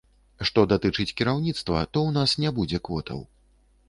Што датычыць кіраўніцтва, то ў нас не будзе квотаў.